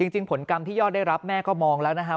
จริงผลกรรมที่ยอดได้รับแม่ก็มองแล้วนะฮะ